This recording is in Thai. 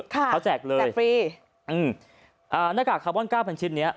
เขาแจกเลยแจกฟรีอืมอ่าหน้ากากคาร์บอนเก้าพันชิ้นเนี้ย